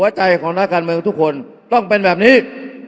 อย่าให้ลุงตู่สู้คนเดียว